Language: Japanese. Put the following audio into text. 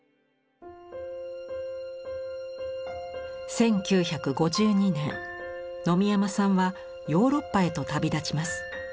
１９５２年野見山さんはヨーロッパへと旅立ちます。